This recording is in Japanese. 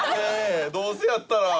どうせやったら！